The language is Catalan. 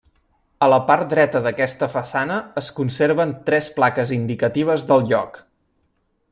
A la part dreta d'aquesta façana es conserven tres plaques indicatives del lloc.